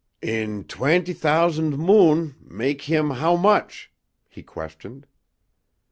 "In twent' t'ous'nd moon mak' heem how much?" he questioned.